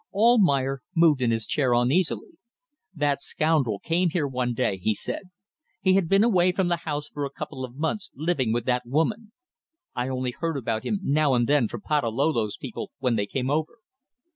Almayer moved in his chair uneasily. "That scoundrel came here one day," he said. "He had been away from the house for a couple of months living with that woman. I only heard about him now and then from Patalolo's people when they came over.